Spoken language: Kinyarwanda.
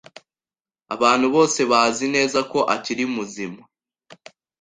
Abantu bose bazi neza ko akiri muzima.